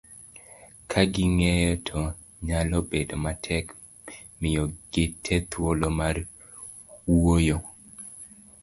ka ging'eny to nyalo bedo matek miyo gite thuolo mar wuoyo